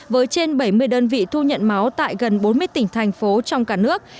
với trên bảy mươi đơn vị thu nhận máu tại gần bốn mươi tỉnh thành phố trong cả nước